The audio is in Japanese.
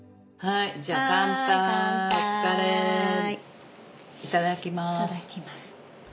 いただきます。